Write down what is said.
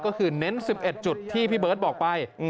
ก็คือเน้น๑๑จุดที่พี่เบิร์ตบอกไป